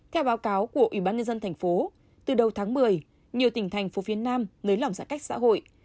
theo báo cáo của ủy ban nhân dân thành phố từ đầu tháng một mươi nhiều tỉnh thành phố phía nam nới lỏng giãn cách xã hội